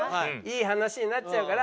いい話になっちゃうから。